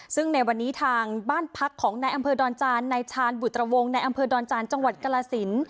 ซึ่งในวันนี้ทางบ้านพักของนายอำเภอดอนจานนายชาญบุตรวงศ์ในอำเภอดอนจานจังหวัดกรสิน